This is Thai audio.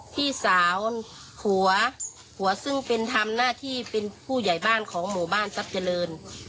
พี่สาวหัวหัวซึ่งเป็นทำหน้าที่เป็นผู้ใหญ่บ้านของหมู่บ้านทรัพย์เจริญ